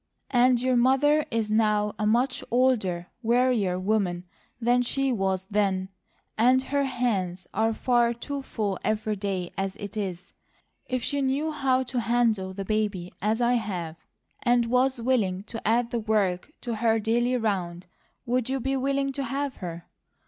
And your mother is now a much older, wearier woman than she was then, and her hands are far too full every day, as it is. If she knew how to handle the baby as I have, and was willing to add the work to her daily round, would you be willing to have her?